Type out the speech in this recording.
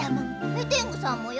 メテングさんもよ。